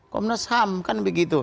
komnas ham kan begitu